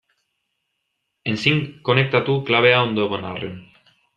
Ezin konektatu, klabea ondo egon arren.